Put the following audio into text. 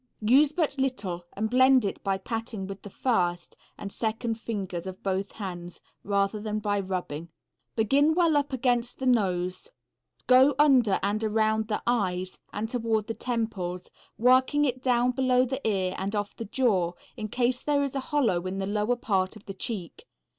Use but little, and blend it by patting with the first and second fingers of both hands, rather than by rubbing. Begin well up against the nose, go under and around the eyes, and toward the temples, working it down below the ear and off the jaw in case there is a hollow in the lower part of the cheek.